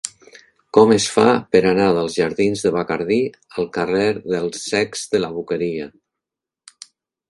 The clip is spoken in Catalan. Com es fa per anar dels jardins de Bacardí al carrer dels Cecs de la Boqueria?